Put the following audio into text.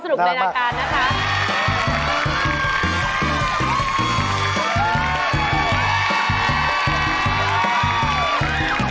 ซีรีส์เกาหลีซีรีส์เกาหลี